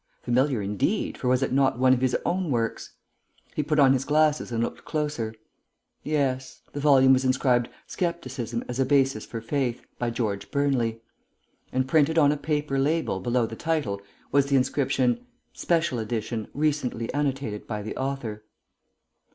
Familiar indeed, for was it not one of his own works? He put on his glasses and looked closer. Yes: the volume was inscribed Scepticism as a Basis for Faith, by George Burnley. And printed on a paper label below the title, was the inscription, "Special Edition, recently annotated by the Author."